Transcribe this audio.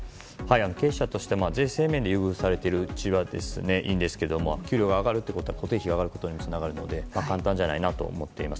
経営者として税制面で優遇されているうちはいいんですが給料が上がるってことは固定費が上がることにつながるので簡単じゃないなと思っています。